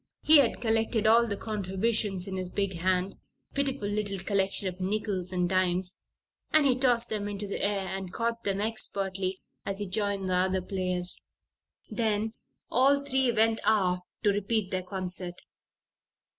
He had collected all the contributions in his big hand a pitiful little collection of nickels and dimes and he tossed them into the air and caught them expertly as he joined the other players. Then all three went aft to repeat their concert.